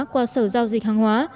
qua sở giao dịch hàng hóa